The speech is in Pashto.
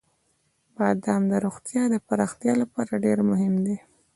• بادام د روغتیا د پراختیا لپاره ډېر مهم دی.